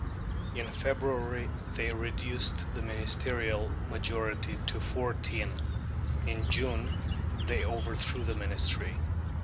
In February they reduced the Ministerial majority to fourteen; in June they overthrew the Ministry.